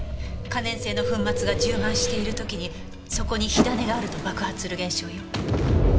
可燃性の粉末が充満している時にそこに火種があると爆発する現象よ。